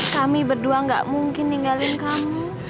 kami berdua gak mungkin ninggalin kamu